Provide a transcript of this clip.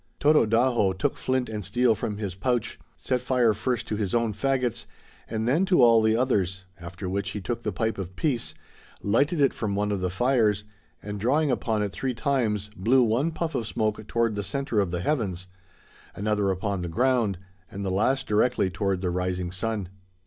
Tododaho took flint and steel from his pouch, set fire first to his own fagots and then to all the others, after which he took the pipe of peace, lighted it from one of the fires, and, drawing upon it three times, blew one puff of smoke toward the center of the heavens, another upon the ground, and the last directly toward the rising sun.